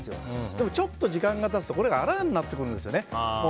でも、ちょっと時間が経つとこれがアラになってくるんですね。